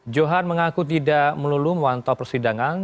johan mengaku tidak melulu memantau persidangan